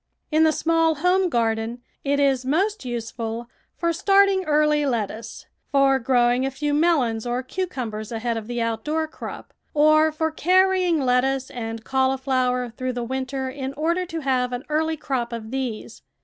In the small home garden it is most useful for starting early lettuce, for growing a few melons or cucumbers ahead of the outdoor crop, or for carrying lettuce and cauliflower through the winter in order to have an early crop of these.